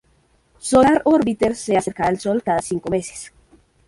Solar Orbiter se acercará al Sol cada cinco meses.